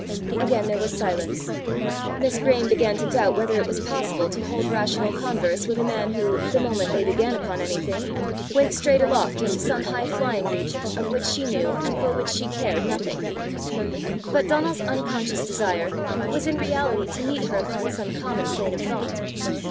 Again there was silence. Miss Graeme began to doubt whether it was possible to hold rational converse with a man who, the moment they began upon anything, went straight aloft into some high flying region of which she knew and for which she cared nothing. But Donal's unconscious desire was in reality to meet her upon some common plane of thought.